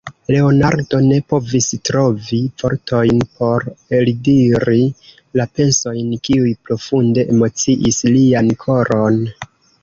Leonardo ne povis trovi vortojn por eldiri la pensojn, kiuj profunde emociis lian koron.